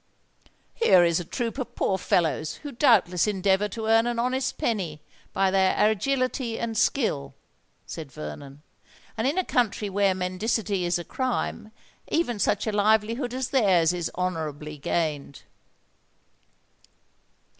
"Here is a troop of poor fellows who doubtless endeavour to earn an honest penny by their agility and skill," said Vernon; "and in a country where mendicity is a crime, even such a livelihood as theirs is honourably gained."